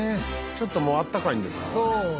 「ちょっともうあったかいんですかね」